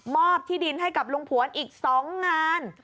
ที่ดินให้กับลุงผวนอีก๒งาน